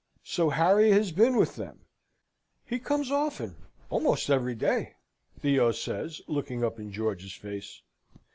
So Harry has been with them? "He often comes, almost every day," Theo says, looking up in George's face.